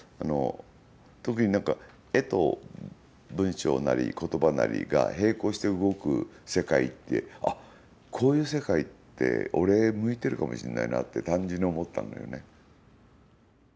特に絵と、文章なり言葉なりが並行して動く世界ってあっ、こういう世界って俺、向いてるかもしれないなって単純に思ったんだよね。